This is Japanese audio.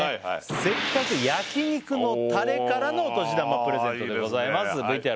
せっかく焼肉のタレからのお年玉プレゼントでございますいいですね